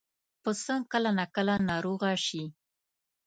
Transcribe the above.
پسه کله ناکله ناروغه شي.